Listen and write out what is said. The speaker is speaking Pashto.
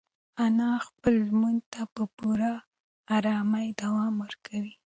انا خپل لمانځه ته په پوره ارامۍ دوام ورکوي.